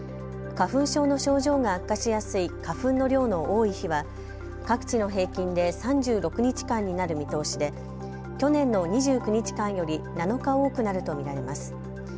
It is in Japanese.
花粉症の症状が悪化しやすい花粉の量の多い日は各地の平均で３６日間になる見通しで去年の２９日間より７日多くなると見られます。